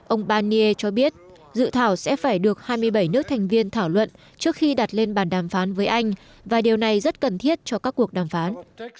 ông barnier cho biết dự thảo sẽ phải được hai mươi bảy nước thành viên thảo luận trước khi đặt lên bàn đàm phán với anh và điều này rất cần thiết cho các cuộc đàm phán